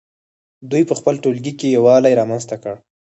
دوی په خپل ټولګي کې یووالی رامنځته کړ.